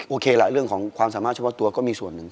โอเคแหละเรื่องของความสามารถเฉพาะตัวก็มีส่วนหนึ่ง